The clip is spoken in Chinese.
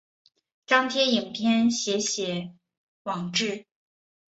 张贴影片写写网志